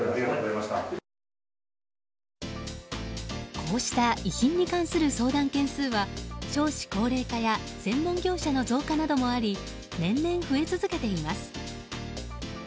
こうした遺品に関する相談件数は少子高齢化や専門業者の増加などもあり年々、増え続けています。